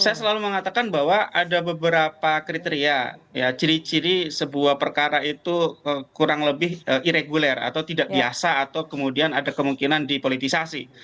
saya selalu mengatakan bahwa ada beberapa kriteria ya ciri ciri sebuah perkara itu kurang lebih ireguler atau tidak biasa atau kemudian ada kemungkinan dipolitisasi